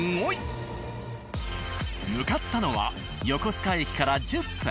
向かったのは横須賀駅から１０分。